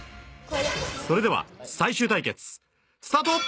［それでは最終対決スタート！］